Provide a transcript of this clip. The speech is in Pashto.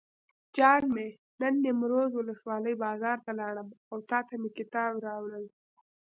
جان مې نن نیمروز ولسوالۍ بازار ته لاړم او تاته مې کتاب راوړل.